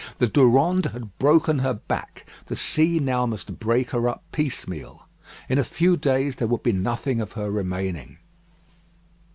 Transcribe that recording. The Durande had broken her back; the sea now must break her up piecemeal. In a few days there would be nothing of her remaining.